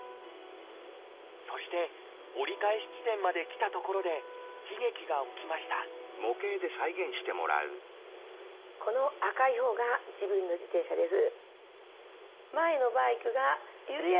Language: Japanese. そして折り返し地点まで来たところで悲劇が起きましたこの赤いほうが自分の自転車です。